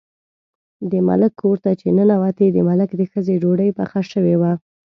د ملک کور ته چې ننوتې، د ملک د ښځې ډوډۍ پخه شوې وه.